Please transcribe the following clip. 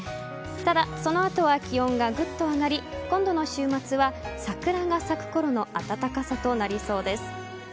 ただ、その後は気温がぐっと上がり今度の週末は桜が咲くころの暖かさとなりそうです。